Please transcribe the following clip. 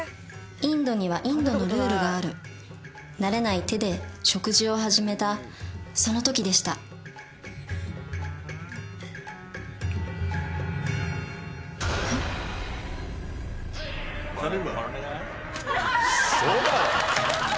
インドにはインドのルールがある慣れない手で食事を始めたその時でしたウソだろ？